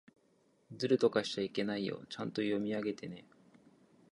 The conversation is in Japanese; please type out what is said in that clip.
ずるとかしちゃいけないよ。ちゃんと読み上げてね。